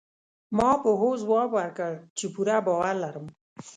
ما په هوځواب ورکړ، چي پوره باور لرم.